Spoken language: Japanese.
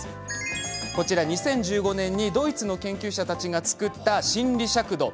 ２０１５年にドイツの研究者たちが作った心理尺度です。